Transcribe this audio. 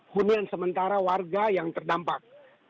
hunian sementara warga yang terdampak